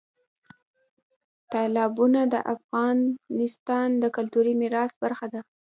تالابونه د افغانستان د کلتوري میراث برخه ده.